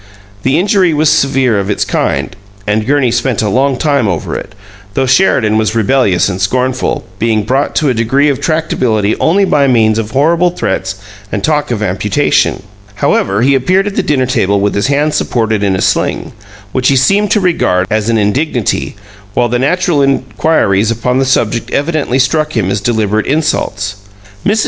The injury was severe of its kind, and Gurney spent a long time over it, though Sheridan was rebellious and scornful, being brought to a degree of tractability only by means of horrible threats and talk of amputation. However, he appeared at the dinner table with his hand supported in a sling, which he seemed to regard as an indignity, while the natural inquiries upon the subject evidently struck him as deliberate insults. Mrs.